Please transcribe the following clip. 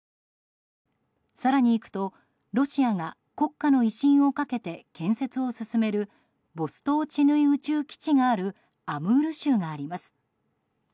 更に行くとロシアが国家の威信をかけて建設を進めるボストーチヌイ宇宙基地があるアムール州があります。